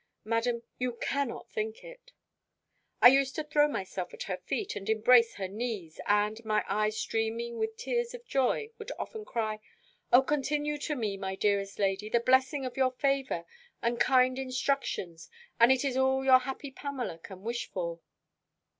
Madam, you cannot think it. I used to throw myself at her feet, and embrace her knees; and, my eyes streaming with tears of joy, would often cry, "O continue to me, my dearest lady, the blessing of your favour, and kind instructions, and it is all your happy Pamela can wish for."